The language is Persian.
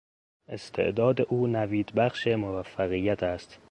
استعداد او نویدبخش موفقیت است.